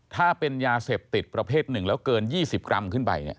ถ้าเป็นยาเสพติดประเภทหนึ่งแล้วเกิน๒๐กรัมขึ้นไป